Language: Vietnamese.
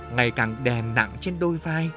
ngày càng đè nặng trên đôi vai